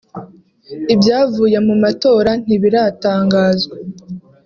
Ibyavuye mu matora ntibiratangazwa